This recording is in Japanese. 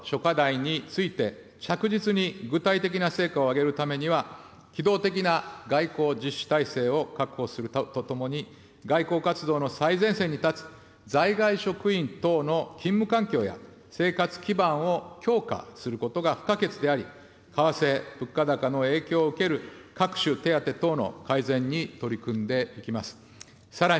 以上の諸課題について、着実に具体的な成果を上げるためには、機動的な外交実施体制を確保するとともに、外交活動の最前線に立つ、在外職員等の勤務環境や生活基盤を強化することが不可欠であり、為替・物価高の影響を受ける各種手当等の改善に取り組んでいきます。